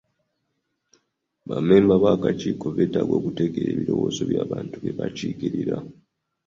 Bammemba b'akakiiko beetaaga okutegeera ebirowoozo by'abantu be bakiikirira